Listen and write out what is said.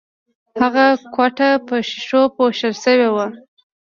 هغه کوټه په ښیښو پوښل شوې وه